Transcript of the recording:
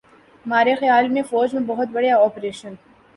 مارے خیال میں فوج میں بہت بڑے آپریشن